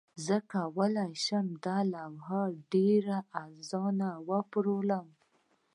زه کولی شم دا لوحه ډیره ارزانه وپلورم